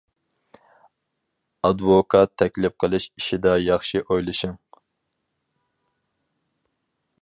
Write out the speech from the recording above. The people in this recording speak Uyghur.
ئادۋوكات تەكلىپ قىلىش ئىشىدا ياخشى ئويلىشىڭ!